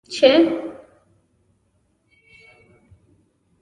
ما ورته وویل: کېدای شي ناروغان راشي، دلته ډېر بسترونه خالي دي.